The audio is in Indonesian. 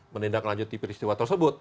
menindak lanjut peristiwa tersebut